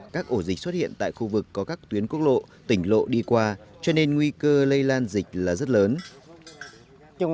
các ổ dịch xuất hiện tại khu vực có các tuyến quốc lộ tỉnh lộ đi qua cho nên nguy cơ lây lan dịch là rất lớn